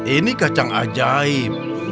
ini kacang ajaib